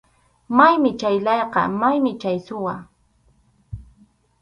Maymi chay layqa, maymi chay suwa.